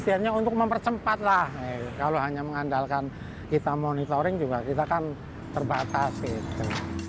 ya untuk mempercepat lah kalau hanya mengandalkan kita monitoring juga kita kan terbatas gitu